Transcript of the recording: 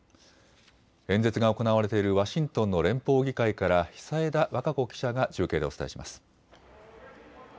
演説が行われているワシントンの連邦議会から久枝和歌子記者が中継でお伝えします。